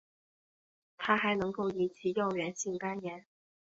它还能够引起药源性肝炎。